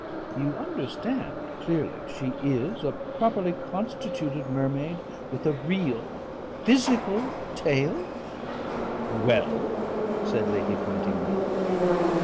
"You understand clearly she is a properly constituted mermaid with a real physical tail?" "Well?" said Lady Poynting Mallow.